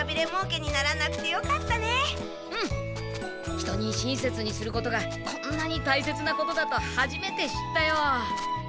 人に親切にすることがこんなにたいせつなことだとはじめて知ったよ。